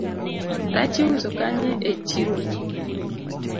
Rech iuso kanye e chironi